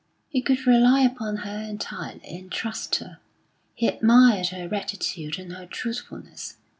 He could rely upon her entirely, and trust her; he admired her rectitude and her truthfulness.